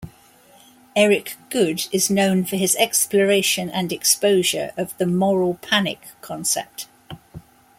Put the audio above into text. Erich Goode is known for his exploration and exposure of the "moral panic" concept.